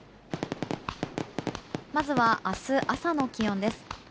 まずは明日朝の気温です。